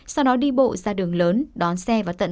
sau đó đi bộ ra đường lớn đón xe vào tận